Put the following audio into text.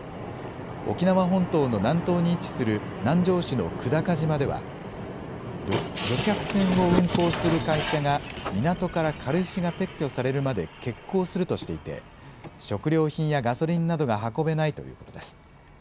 沖縄本島の南東に位置する南城市の久高島では、旅客船を運航する会社が港から軽石が撤去されるまで欠航するとしていて、食料品やガソリンなどが運べないということです。